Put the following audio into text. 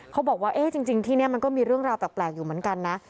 เขาบอกว่าจริงที่นี่มันก็มีเรื่องราวแปลกอยู่เหมือนกันนะ